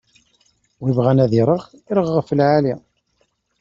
Win ibɣan ad ireɣ, ireɣ ɣef lɛali.